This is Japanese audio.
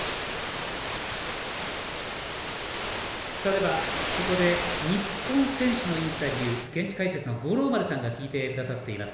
では、ここで日本選手のインタビュー現地解説の五郎丸さんが聞いてくださっています。